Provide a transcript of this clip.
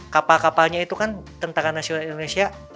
kapal kapalnya itu kan tentara nasional indonesia